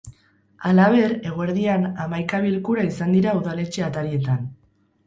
Halaber, eguerdian, hamaika bilkura izan dira udaletxe-atarietan.